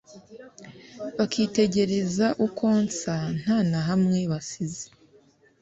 bakitegereza uko nsa nta na hamwe basize